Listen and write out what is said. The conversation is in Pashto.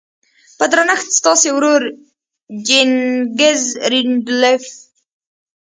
په درنښت ستاسې ورور جيننګز رينډالف.